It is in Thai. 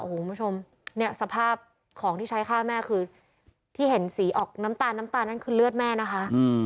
คุณผู้ชมเนี่ยสภาพของที่ใช้ฆ่าแม่คือที่เห็นสีออกน้ำตาลน้ำตาลนั่นคือเลือดแม่นะคะ